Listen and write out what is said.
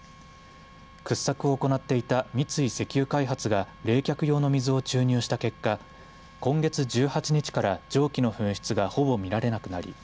掘削を行っていた三井石油開発が冷却用の水を注入した結果今月１８日から蒸気の噴出がほぼ見られなくなり